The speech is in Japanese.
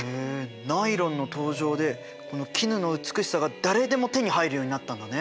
ナイロンの登場でこの絹の美しさが誰でも手に入るようになったんだね。